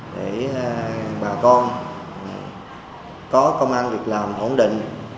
để bà con có công an việc làm ổn định